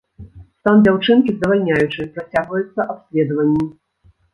Стан дзяўчынкі здавальняючы, працягваюцца абследаванні.